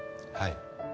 はい